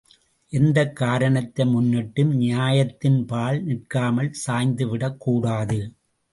எந்தக் காரணத்தை முன்னிட்டும் நியாயத்தின் பால் நிற்காமல் சாய்ந்துவிடக் கூடாது.